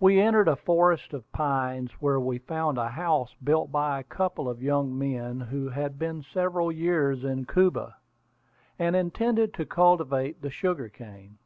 We entered a forest of pines, where we found a house built by a couple of young men who had been several years in Cuba, and intended to cultivate the sugar cane.